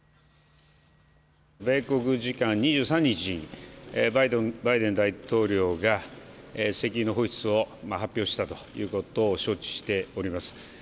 米国時間２３日、バイデン大統領が石油の放出を発表したということを承知しております。